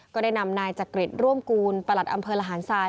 ก็ได้นำนายจักริตร่วมกูลประหลัดอำเภอละหารทราย